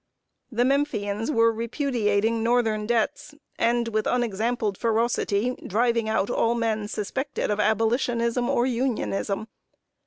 The Memphians were repudiating northern debts, and, with unexampled ferocity, driving out all men suspected of Abolitionism or Unionism.